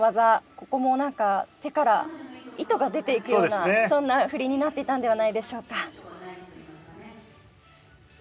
ここもなんか手から糸が出ていくようなそんな振りになっていたんではないでしょうか。